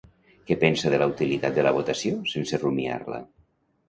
Què pensa de la utilitat de la votació sense rumiar-la?